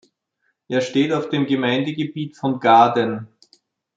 Er steht auf dem Gemeindegebiet von Gaaden.